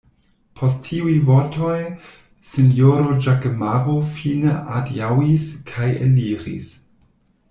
Post tiuj vortoj sinjoro Ĵakemaro fine adiaŭis kaj eliris.